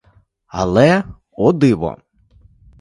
Але — о диво!